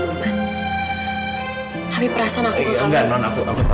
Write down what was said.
aku gak mau ngelakuin posisi kamu man